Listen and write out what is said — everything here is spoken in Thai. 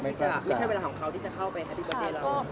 ไม่ใช่เวลาของเขาที่จะเข้าไปแฮปปี้เบิร์ตเดย์เรา